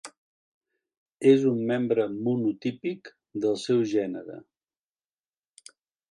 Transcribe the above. És un membre monotípic del seu gènere.